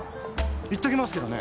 言っときますけどね